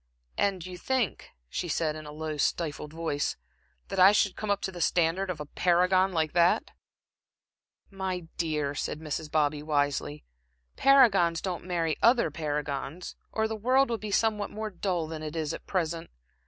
"And you think," she said, in a low, stifled voice, "that I should come up to the standard of a paragon like that?" "My dear," said Mrs. Bobby, wisely, "paragons don't marry other paragons, or the world would be somewhat more dull than it is at present.